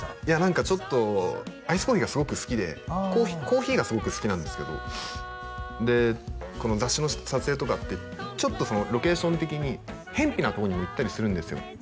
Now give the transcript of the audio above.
いや何かちょっとアイスコーヒーがすごく好きでコーヒーがすごく好きなんですけどでこの雑誌の撮影とかってちょっとロケーション的にへんぴなとこにも行ったりするんですよ